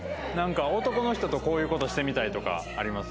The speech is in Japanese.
男の人とこういう事してみたいとかあります？